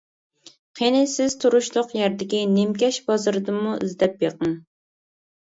قېنى سىز تۇرۇشلۇق يەردىكى نىمكەش بازىرىدىنمۇ ئىزدەپ بېقىڭ.